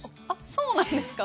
そうなんですか？